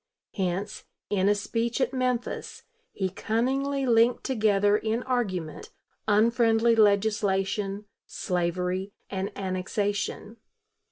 Hence, in a speech at Memphis, he cunningly linked together in argument unfriendly legislation, slavery, and annexation.